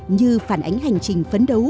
như phản ánh hành trình phấn đấu